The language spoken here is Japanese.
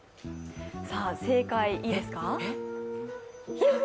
正解、いいですか。